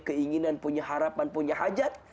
keinginan punya harapan punya hajat